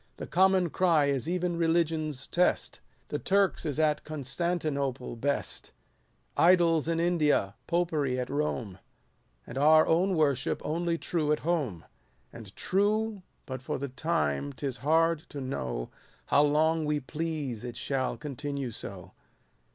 The common cry is even religion's test — 103 The Turk's is at Constantinople best ; Idols in India ; Popery at Rome ; And our own worship only true at home : And true, but for the time 'tis hard to know How long we please it shall continue so.